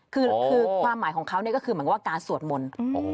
คือความหมายของเขาเนี่ยก็คือเหมือนว่าการสวดมนต์